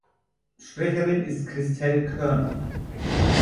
Sprecherin ist Christel Körner.